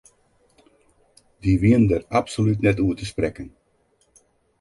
Dy wienen dêr absolút net oer te sprekken.